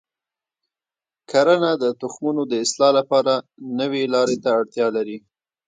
کرنه د تخمونو د اصلاح لپاره نوي لارې ته اړتیا لري.